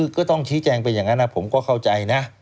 ก็ต้องชี้แจงไปอย่างนั้นผมก็เข้าใจนะ